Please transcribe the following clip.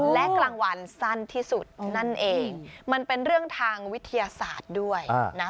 และกลางวันสั้นที่สุดนั่นเองมันเป็นเรื่องทางวิทยาศาสตร์ด้วยนะ